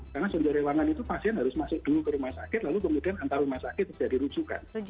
karena sonjo rewangan itu pasien harus masuk dulu ke rumah sakit lalu kemudian antar rumah sakit bisa dirujukan